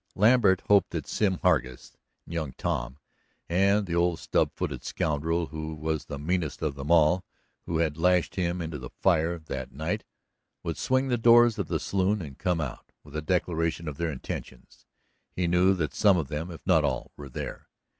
Lambert hoped that Sim Hargus and young Tom, and the old stub footed scoundrel who was the meanest of them all who had lashed him into the fire that night, would swing the doors of the saloon and come out with a declaration of their intentions. He knew that some of them, if not all, were there.